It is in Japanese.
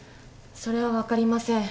それは分かりません。